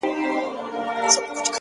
تور یم، موړ یمه د ژوند له خرمستیو،